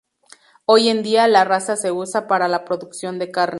Hoy en día la raza se usa para la producción de carne.